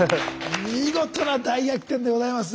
見事な大逆転でございます。